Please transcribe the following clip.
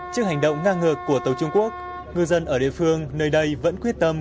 trước hành động ngang ngược của tàu trung quốc ngư dân ở địa phương nơi đây vẫn quyết tâm